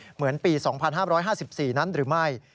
เหมือนปี๒๕๕๔นั้นหรือไม่